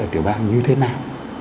ở tiểu bang như thế nào